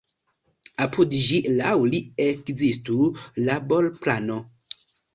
Apud ĝi laŭ li ekzistu laborplano.